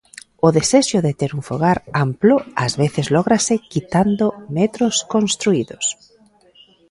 O desexo de ter un fogar amplo ás veces lógrase quitando metros construídos.